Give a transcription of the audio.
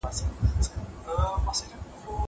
زه به اوږده موده ږغ اورېدلی وم!